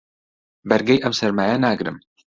بەرگەی ئەم سەرمایە ناگرم.